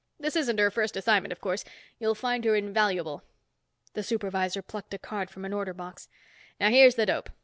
This isn't her first assignment, of course. You'll find her invaluable." The supervisor plucked a card from an order box. "Now here's the dope.